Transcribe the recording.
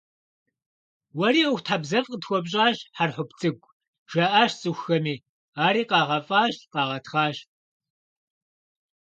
«Уэри ӀуэхутхьэбзэфӀ къытхуэпщӀащ, Хьэрхъуп цӀыкӀу», - жаӀащ цӀыхухэми, ари къагъэфӀащ, къагъэтхъащ.